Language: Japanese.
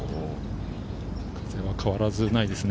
風は変わらず、ないですね。